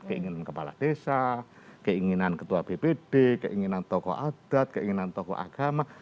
keinginan kepala desa keinginan ketua bpd keinginan tokoh adat keinginan tokoh agama